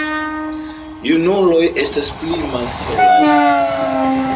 Junuloj estas pli malhelaj.